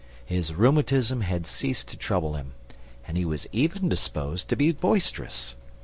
His rheumatism had ceased to trouble him, and he was even disposed to be boisterous.